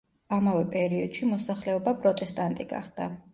ამავე პერიოდში მოსახლეობა პროტესტანტი გახდა.